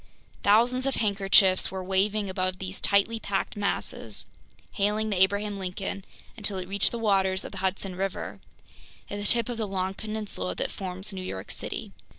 Thousands of handkerchiefs were waving above these tightly packed masses, hailing the Abraham Lincoln until it reached the waters of the Hudson River, at the tip of the long peninsula that forms New York City.